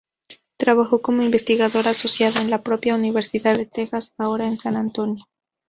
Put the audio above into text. Trabajó como investigadora asociada en la propia "Universidad de Texas", ahora en San Antonio.